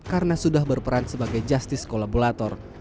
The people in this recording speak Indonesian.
karena sudah berperan sebagai justice kolaborator